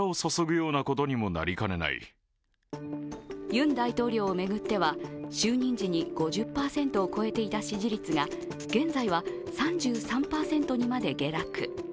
ユン大統領を巡っては就任時に５０％を超えていた支持率が現在は３３％にまで下落。